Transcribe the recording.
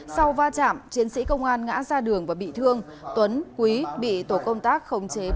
sau va chạm chiến sĩ công an ngã ra đường và bị thương tuấn quý bị tổ công tác không chế bắt giữ